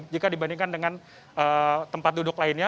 jika dibandingkan dengan tempat duduk lainnya